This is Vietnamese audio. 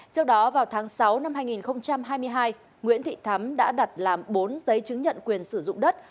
trước đó vào tháng sáu năm hai nghìn hai mươi hai nguyễn thị thắm đã đặt làm bốn giấy chứng nhận quyền sử dụng đất